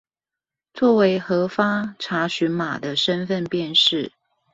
作為核發查詢碼的身分辨識